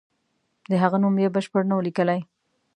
د هغه نوم یې بشپړ نه وو لیکلی.